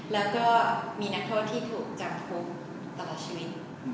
แล้วก็มีนักโทษที่ถูกจำคุกตลอดชีวิต